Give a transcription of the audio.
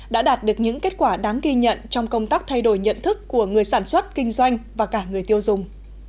đã đạt được những kết quả đáng ghi nhận trong công tác thay đổi nhận thức của người sản xuất kinh doanh và cả người tiêu dùng